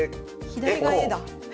左がエだ。